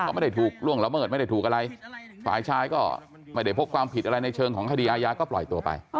เขาไม่ได้ถูกล่วงละเมิดไม่ได้ถูกอะไรฝ่ายชายก็ไม่ได้พบความผิดอะไรในเชิงของคดีอาญาก็ปล่อยตัวไป